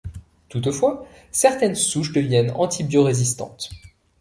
Toutefois certaines souches deviennent antibiorésistantes.